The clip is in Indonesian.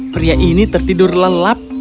pria ini tertidur lelap